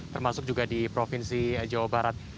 termasuk juga di provinsi jawa barat